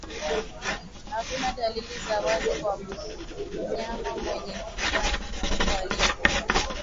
Hakuna dalili za wazi kwa mnyama mwenye kichaa cha mbwa aliyekufa